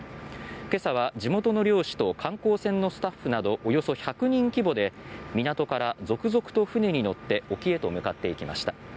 今朝は地元の漁師と観光船のスタッフなどおよそ１００人規模で港から続々と船に乗って沖へと向かっていきました。